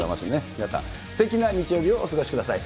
皆さん、すてきな日曜日をお過ごしください。